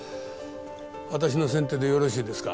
私の先手でよろしいですか？